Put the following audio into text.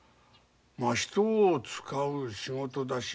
まあ人を使う仕事だ